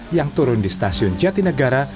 yang turun di stasiun jatinegara